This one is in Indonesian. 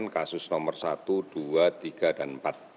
kasus nomor satu dua tiga dan empat